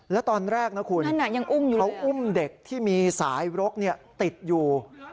และตอนแรกนั้นหายังอุ่มอยู่เขาอุ่มเด็กที่มีสายรกเนี่ยติดอยู่